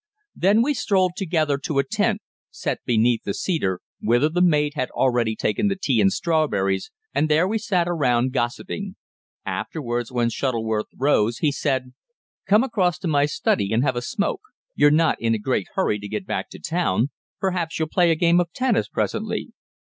Then we strolled together to a tent set beneath the cedar, whither the maid had already taken the tea and strawberries, and there we sat around gossiping. Afterwards, when Shuttleworth rose, he said "Come across to my study and have a smoke. You're not in a great hurry to get back to town. Perhaps you'll play a game of tennis presently?"